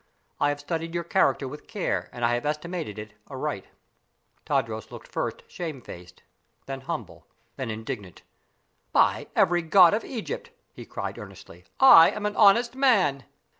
I have studied your character with care, and I have estimated it aright." Tadros first looked shame faced, then humble, then indignant. "By every god of Egypt," he cried, earnestly, "I am an honest man!"